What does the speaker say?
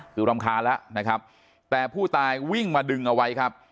คือรำคาญแล้วนะครับแต่ผู้ตายวิ่งมาดึงเอาไว้ครับ